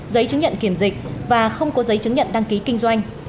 giấy chứng nhận kiểm dịch và không có giấy chứng nhận đăng ký kinh doanh